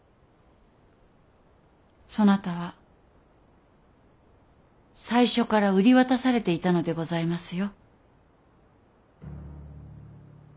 そなたは最初から売り渡されていたのでございますよ。